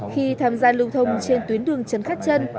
khi tham gia lưu thông trên tuyến đường trần khắc trân